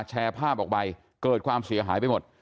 แชร์ภาพออกไปเกิดความเสียหายไปหมด